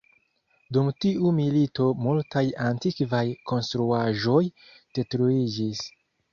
Dum tiu milito multaj antikvaj konstruaĵoj detruiĝis.